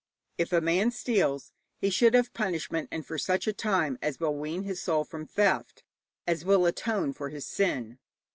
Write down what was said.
If a man steals, he should have such punishment and for such a time as will wean his soul from theft, as will atone for his sin.